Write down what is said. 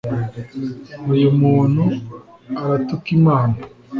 uyu muntu aratuka imana